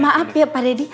maap ya pak deddy